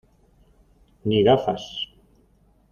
ni gafas.